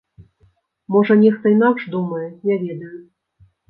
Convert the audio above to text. Можа нехта інакш думае, не ведаю.